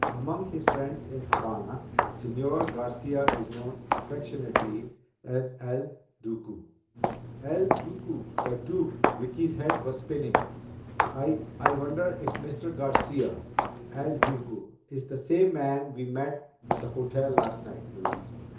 "Among his friends in Habana, Señor Garcia is known affectionately as El Duque." El Duque! The Duke! Vicki's head was spinning. "I I wonder if Mr. Garcia El Duque is the same man we met at the hotel last night, Louise.